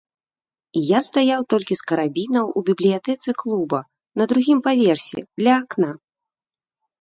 І я стаяў толькі з карабінам у бібліятэцы клуба, на другім паверсе, ля акна.